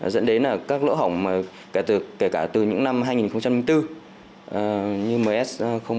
dẫn đến các lỗ hỏng kể cả từ những năm hai nghìn bốn như ms bốn